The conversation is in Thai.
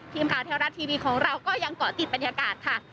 ทีมข่าวเทวรัฐทีวีของเราก็ยังเกาะติดบรรยากาศค่ะ